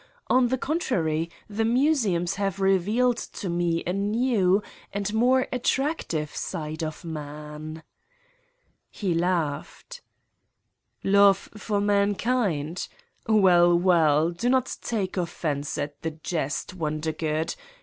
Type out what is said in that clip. On the contrary, the museums have revealed to me a new and more attractive side of man. ..." He laughed. "Love for mankind? ... Well, well, do not take offense at the jest, Wondergood.